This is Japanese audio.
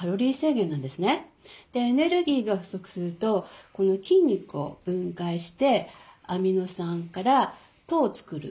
エネルギーが不足すると筋肉を分解してアミノ酸から糖を作る。